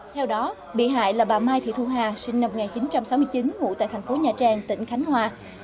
theo đó bị hại là bà mai thị thu hà sinh năm một nghìn chín trăm sáu mươi chín ngụ tại thành phố nha trang tỉnh khánh hòa